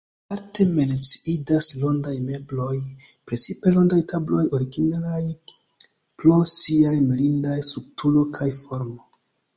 Aparte menciindas rondaj mebloj, precipe rondaj tabloj, originalaj pro siaj mirindaj strukturo kaj formo.